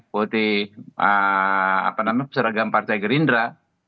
putih apa namanya seragam partai gerindra